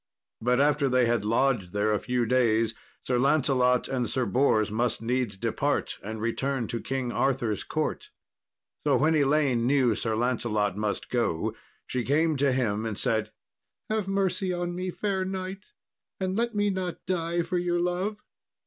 But after they had lodged there a few days Sir Lancelot and Sir Bors must needs depart and return to King Arthur's court. So when Elaine knew Sir Lancelot must go, she came to him and said, "Have mercy on me, fair knight, and let me not die for your love."